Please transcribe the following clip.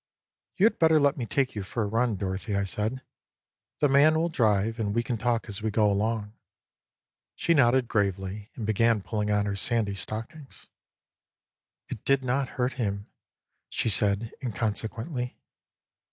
" You had better let me take you for a run, Dorothy," I said. " The man will drive, and we can talk as we go along." She nodded gravely, and began pulling on her sandy stockings. " It did not hurt him," she said incon sequently.